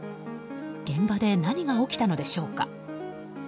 現場で何が起きたのでしょうか。